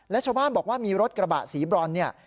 และชาวบ้านบอกว่ามีรถกระบะสีบรอนเนี่ย